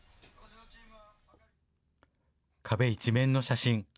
壁一面の写真。